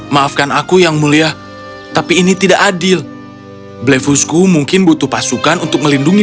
maafkan aku yang mulia tapi ini tidak adil blefusku mungkin butuh pasukan untuk melindungi